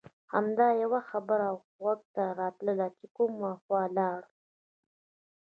همدا یوه خبره غوږ ته راتله چې کومه خوا لاړل.